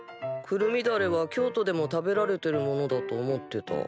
くるみだれは京都でも食べられてるものだと思ってた。